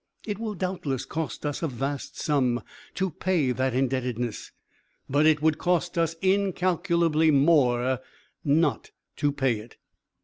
It will doubtless cost us a vast sum to pay that indebtedness but it would cost us incalculably more not to pay it."